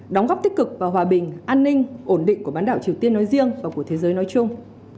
đóng góp tích cực và hòa bình an ninh ổn định của bán đảo triều tiên nói riêng và của thế giới nói chung